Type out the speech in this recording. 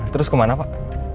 terus kemana pak